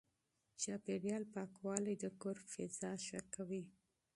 چاپېريال پاکوالی د کور فضا ښه کوي.